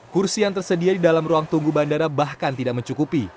kursi yang tersedia di dalam ruang tunggu bandara bahkan tidak mencukupi